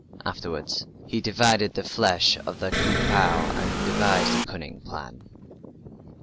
Afterwards He divided the flesh of the Ku pu and devised a cunning plan.